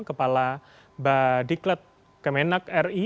kepala badiklet kemenak ri